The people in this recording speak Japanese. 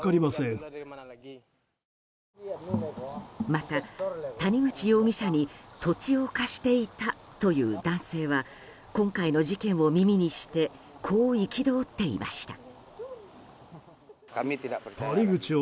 また、谷口容疑者に土地を貸していたという男性は今回の事件を耳にしてこう憤っていました。